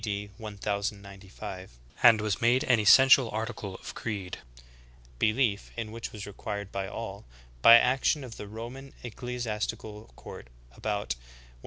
D. 1095/ and was made an essential article of creed, belief in which was required of all, by action of the Roman ecclesiastical court about 1160."